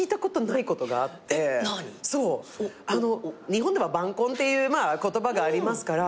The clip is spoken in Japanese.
日本では晩婚っていう言葉がありますから。